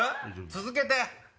続けて！